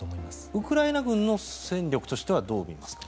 ウクライナ軍の戦力としてはどう見ますか？